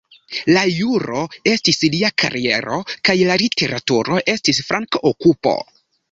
La juro estis lia kariero, kaj la literaturo estis flank-okupo.